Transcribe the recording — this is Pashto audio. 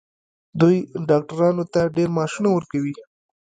دوی ډاکټرانو ته ډیر معاش ورکوي.